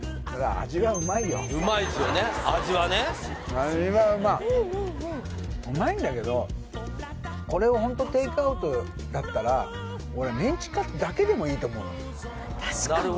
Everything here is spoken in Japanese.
味はうまいうまいんだけどこれをホントテイクアウトだったら俺メンチカツだけでもいいと思うの確かに！